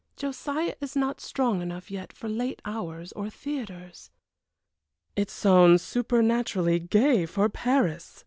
Josiah is not strong enough yet for late hours or theatres." "It sounds supernaturally gay for Paris!"